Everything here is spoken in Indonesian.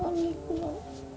kalau tidak bisa lagi